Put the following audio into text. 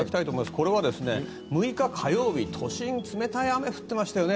これは６日火曜日、都心冷たい雨が降ってましたよね。